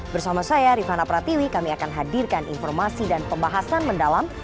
bersama saya rifana pratiwi kami akan hadirkan informasi dan pembahasan mendalam